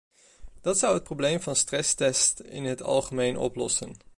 Dat zou het probleem van stresstests in het algemeen oplossen.